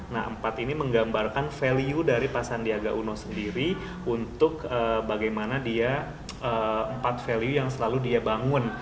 nah empat ini menggambarkan value dari pak sandiaga uno sendiri untuk bagaimana dia empat value yang selalu dia bangun